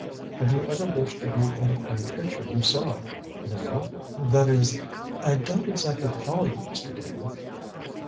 "Have you ever wished to be in any picture you saw?" "No that is I don't exactly follow you, Mr. Dane."